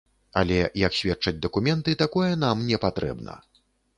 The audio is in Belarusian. Але, як сведчаць дакументы, такое нам не патрэбна.